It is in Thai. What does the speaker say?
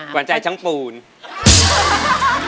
กว่าใจชั้นภูมิ